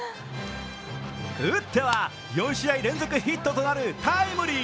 打っては４試合連続ヒットとなるタイムリー。